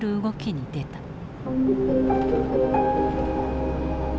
動きに出た。